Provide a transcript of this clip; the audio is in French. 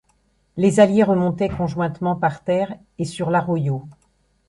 Les alliés remontaient conjointement par terre et sur l'arroyo.